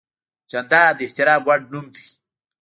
جانداد د احترام وړ نوم دی.